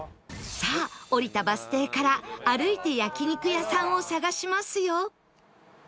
さあ降りたバス停から歩いて焼肉屋さんを探しますよ